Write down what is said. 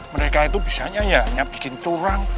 mereka itu bisanya ya hanya bikin turang